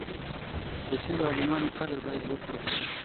د تيرو عالمانو قدر بايد وکړو.